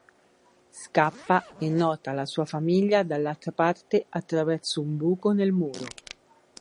Scappa e nota la sua famiglia dall'altra parte attraverso un buco nel muro.